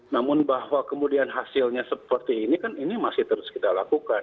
namun bahwa kemudian hasilnya seperti ini kan ini masih terus kita lakukan